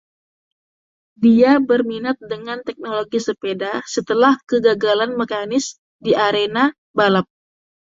Dia berminat dengan teknologi sepeda setelah kegagalan mekanis di arena balap.